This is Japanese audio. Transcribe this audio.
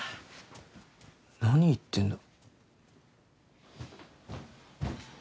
何言ってんだ。